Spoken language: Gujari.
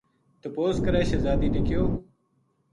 تپوس کرے شہزادی نے کہیو